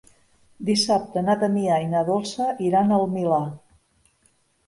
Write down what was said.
Dissabte na Damià i na Dolça iran al Milà.